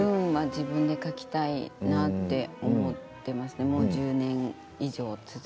自分で書きたいなと思っていました。